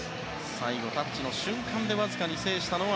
最後、タッチの瞬間でわずかに制したのは